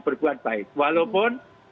berbuat baik walaupun